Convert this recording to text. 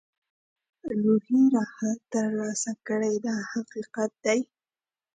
روحي راحت ترلاسه کړي دا حقیقت دی.